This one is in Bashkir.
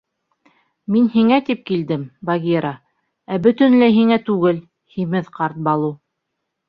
— Мин һиңә тип килдем, Багира, ә бөтөнләй һиңә түгел, һимеҙ ҡарт Балу.